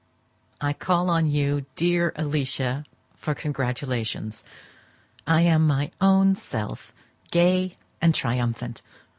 I call on you, dear Alicia, for congratulations: I am my own self, gay and triumphant!